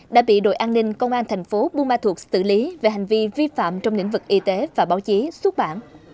đã bị đội an ninh công an thành phố bumathuot xử lý về hành vi vi phạm trong lĩnh vực y tế và báo chí xuất bản